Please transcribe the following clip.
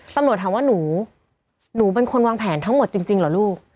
ตำรวจถามว่าหนูหนูเป็นคนวางแผนทั้งหมดจริงเหรอลูก